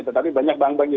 tetapi banyak bank bank juga